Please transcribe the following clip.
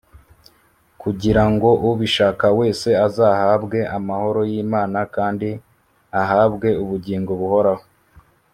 kugira ngo “ubishaka wese” azahabwe amahoro y’imana, kandi ahabwe ubugingo buhoraho